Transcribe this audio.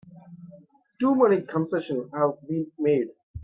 Too many concessions have been made!